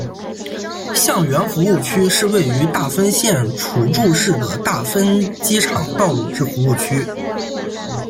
相原服务区是位于大分县杵筑市的大分机场道路之服务区。